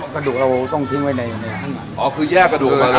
กระดูกเราต้องทิ้งไว้ในในข้างหลังอ๋อคือแยกกระดูกก่อน